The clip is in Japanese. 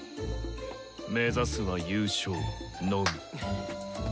目指すは優勝のみ。